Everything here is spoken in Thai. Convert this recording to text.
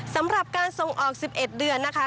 สำหรับการส่งออก๑๑เดือนนะคะ